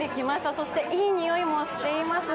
そしていいにおいもしています。